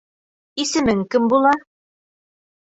Исемең кем була?